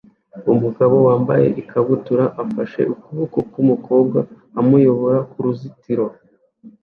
Umugabo wambaye ikabutura afashe ukuboko k'umukobwa amuyobora ku ruzitiro